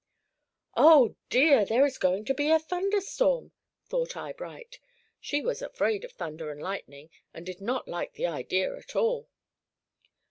"Oh dear, there is going to be a thunder storm," thought Eyebright. She was afraid of thunder and lightning and did not like the idea at all.